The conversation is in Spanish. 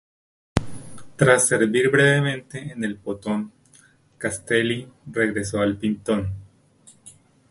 Tras servir brevemente en el pontón "Castelli", regresó al "Pinto".